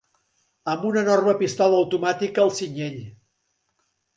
Amb una enorme pistola automàtica al cinyell